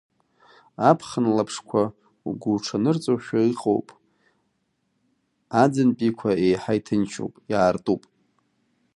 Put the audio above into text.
Аԥхын лаԥшқәа угәуҽанырҵошәа иҟоуп, аӡынтәиқәа еиҳа иҭынчуп, иаартуп.